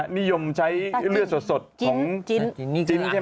นิยมใช้เลือดสดของจินนี่คืออิสัยใช่ไหม